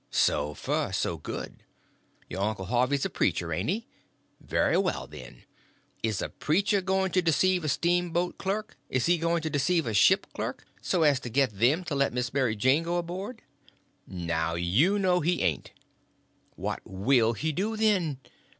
So fur, so good. Your uncle Harvey's a preacher, ain't he? Very well, then; is a preacher going to deceive a steamboat clerk? is he going to deceive a ship clerk?—so as to get them to let Miss Mary Jane go aboard? Now you know he ain't. What will he do, then?